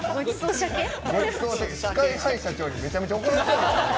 ＳＫＹ‐ＨＩ社長にめちゃくちゃ怒られるね。